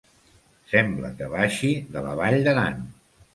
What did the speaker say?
Semblar que baixi de la Vall d'Aran.